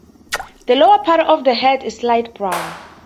The lower part of the head is light brown.